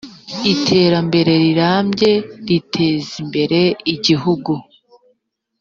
iterambere rirambye ritezimbere igihugu.